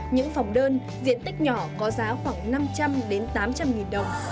những phòng đơn diện tích nhỏ có giá khoảng năm trăm linh tám trăm linh nghìn đồng